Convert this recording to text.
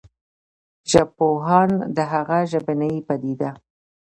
ژبپوهان د هغه ژبنې پديده